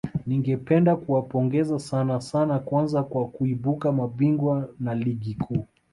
Ningependa kuwapongeza sana sana kwanza kwa kuibuka mabingwa na ligi kuu